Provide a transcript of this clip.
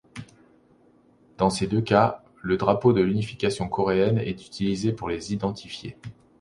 Dans ces deux cas, le drapeau de l'unification coréenne est utilisé pour les identifier.